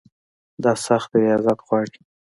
دا سخت ریاضت غواړي.